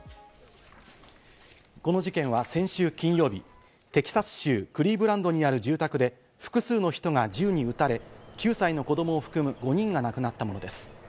この事件は先週金曜日、テキサス州クリーブランドにある住宅で複数の人が銃に撃たれ、９歳の子供を含む５人が亡くなったものです。